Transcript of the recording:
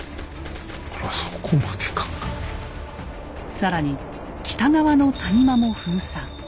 更に北側の谷間も封鎖。